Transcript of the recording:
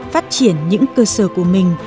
phát triển những cơ sở của mình